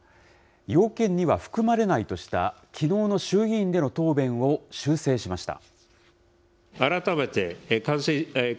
要件には含まれないとした、きのうの衆議院での答弁を修正しました。